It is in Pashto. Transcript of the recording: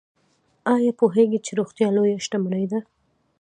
ایا پوهیږئ چې روغتیا لویه شتمني ده؟